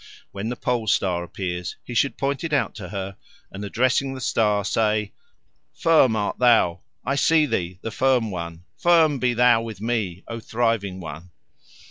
When the pole star appears, he should point it out to her, and, addressing the star, say, "Firm art thou; I see thee, the firm one. Firm be thou with me, O thriving one!"